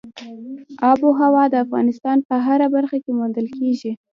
آب وهوا د افغانستان په هره برخه کې موندل کېږي.